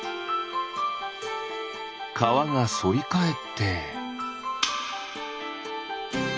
かわがそりかえって。